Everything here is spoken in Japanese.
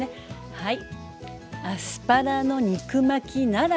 はい。